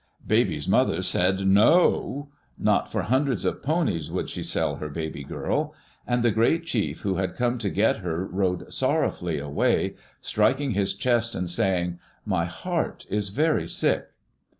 Baby's mother said "No/ Not for hundreds of ponies would she sell her baby girl. And the great chief who had come to get her rode sorrowfully away, striking his chest and saying, "My heart is very sick."